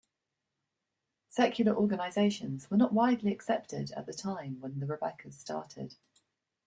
Secular organizations were not widely acceptable at the time when the Rebekahs started.